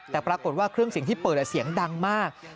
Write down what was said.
แต่ปรากฏว่าเครื่องเสียงที่เปิดเสียงดังมาก